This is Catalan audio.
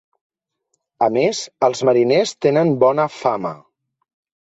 A més, els mariners tenen bona fama.